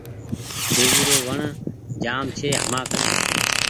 ۮيوي رو وڻ جآم ڇي همآ ڪني